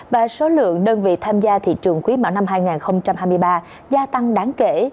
và số lượng đơn vị tham gia thị trường quý mạo năm hai nghìn hai mươi ba gia tăng đáng kể